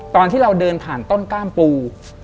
ตอนที่เราเดินผ่านต้นกล้ามปู